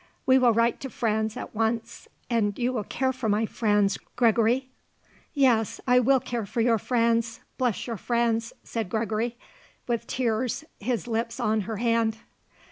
We will write to Franz at once. And you will care for my Franz, Gregory?" "Yes; I will care for your Franz; bless your Franz," said Gregory, with tears, his lips on her hand.